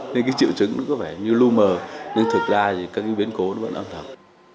nên cái triệu chứng nó có vẻ như lưu mờ nhưng thực ra thì các cái biến cố vẫn âm thầm